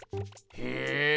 へえ。